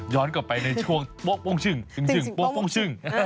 ย้อนกลับไปในช่วงโป๊ะโป้งชึ่งจึงโป๊ะโป้งชึ่ง